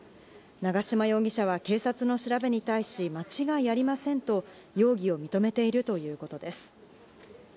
長島容疑者は警察の調べに対し間違いありませんと容疑を認めているということです。